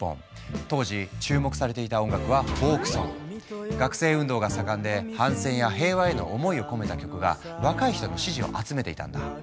当時注目されていた音楽は学生運動が盛んで反戦や平和への思いを込めた曲が若い人の支持を集めていたんだ。